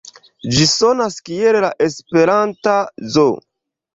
Ĝi sonas kiel la esperanta Zo.